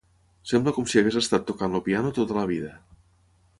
Sembla com si hagués estat tocant el piano tota la vida.